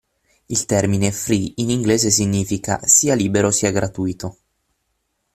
Il termine free in inglese significa sia libero sia gratuito.